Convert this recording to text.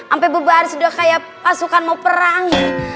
ampe beberapa hari sudah kayak pasukan mau perang